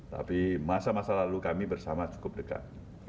tapi masa masa lalu kami bersama cukup dekat